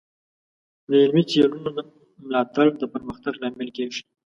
د علمي څیړنو ملاتړ د پرمختګ لامل کیږي.